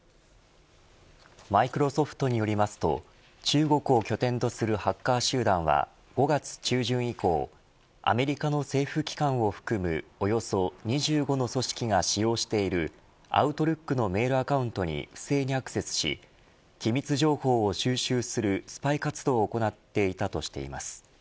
マイクロソフトによりますと中国を拠点とするハッカー集団は５月中旬以降アメリカの政府機関を含むおよそ２５の組織が使用しているアウトルックのメールアカウントに不正にアクセスし機密情報を収集するスパイ活動を行っていたとしています。